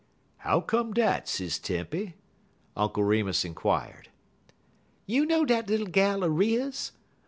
"How come dat, Sis Tempy?" Uncle Remus inquired. "You know dat little gal er Riah's?